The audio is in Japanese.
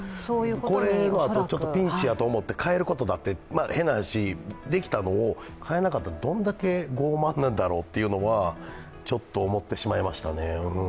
これ、ピンチだと思って変えることもできたのに変えなかったって、どれだけ傲慢なんだろうというのはちょっと思ってしまいましたね。